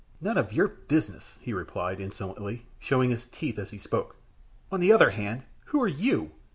"None of your business," he replied, insolently, showing his teeth as he spoke. "On the other hand, who are you?